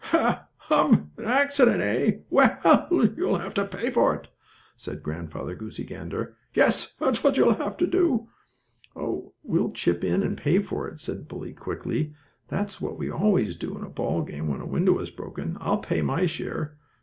"Ha, hum! An accident, eh? Well, you'll have to pay for it," said Grandfather Goosey Gander. "Yes, that's what you will!" "Oh we'll all chip in and pay for it," said Bully, quickly. "That's what we always do in a ball game when a window is broken. I'll pay my share."